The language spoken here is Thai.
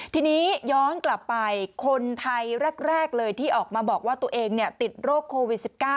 ทีนี้ย้อนกลับไปคนไทยแรกเลยที่ออกมาบอกว่าตัวเองติดโรคโควิด๑๙